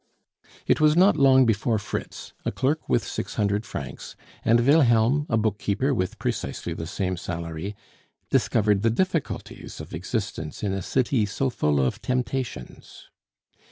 It was not long before Fritz, a clerk with six hundred francs, and Wilhelm, a book keeper with precisely the same salary, discovered the difficulties of existence in a city so full of temptations.